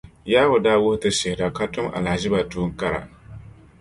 Yawɛ daa wuhi ti shihira ka tum alahiziba tuun’ kara.